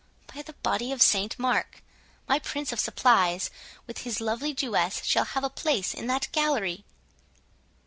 By the body of St Mark, my prince of supplies, with his lovely Jewess, shall have a place in the gallery!